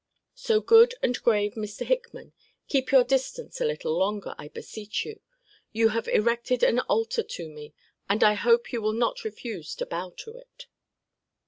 So, good and grave Mr. Hickman, keep your distance a little longer, I beseech you. You have erected an altar to me; and I hope you will not refuse to bow to it.